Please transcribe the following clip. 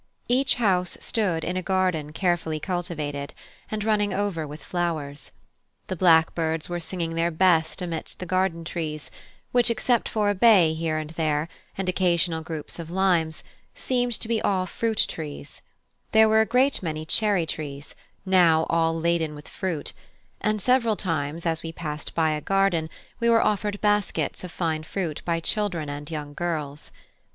Each house stood in a garden carefully cultivated, and running over with flowers. The blackbirds were singing their best amidst the garden trees, which, except for a bay here and there, and occasional groups of limes, seemed to be all fruit trees: there were a great many cherry trees, now all laden with fruit; and several times as we passed by a garden we were offered baskets of fine fruit by children and young girls.